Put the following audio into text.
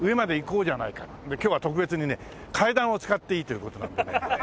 で今日は特別にね階段を使っていいという事なんでね。